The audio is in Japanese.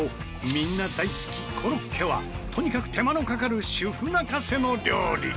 みんな大好きコロッケはとにかく手間のかかる主婦泣かせの料理。